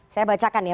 saya bacakan ya